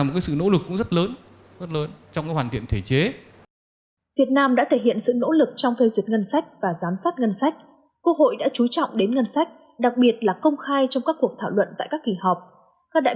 chú trọng đến ngân sách đặc biệt là công khai trong các cuộc thảo luận tại các kỳ họp các đại